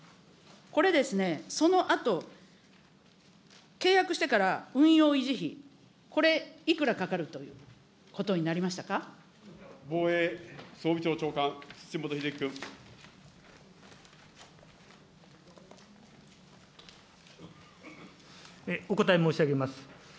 これですね、そのあと、契約してから運用維持費、これ、いくらか防衛装備庁長官、土本英樹君。お答え申し上げます。